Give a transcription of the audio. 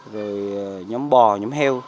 rồi nhóm bò nhóm heo